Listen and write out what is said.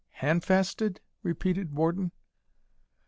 "Handfasted?" repeated Warden.